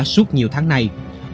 suốt nhiều tháng này